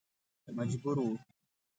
مجبور و.